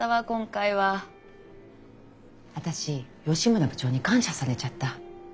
私吉村部長に感謝されちゃった。